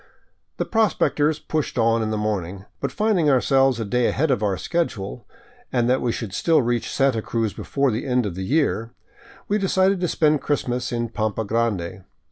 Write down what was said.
The prospectors pushed on in the morning, but finding ourselves a day ahead of our schedule, and that we could still reach Santa Cruz before the end of the year, we decided to spend Christmas in Pampa Grande.